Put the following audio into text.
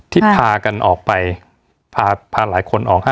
ที่พากันออกไปพาหลายคนออกฮะ